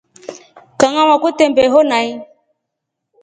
Kangama kwete mbeho nai.